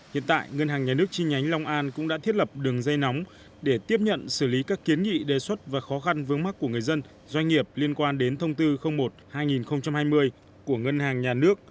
hiện tại ngân hàng nhà nước chi nhánh long an cũng đã thiết lập đường dây nóng để tiếp nhận xử lý các kiến nghị đề xuất và khó khăn vướng mắt của người dân doanh nghiệp liên quan đến thông tư một hai nghìn hai mươi của ngân hàng nhà nước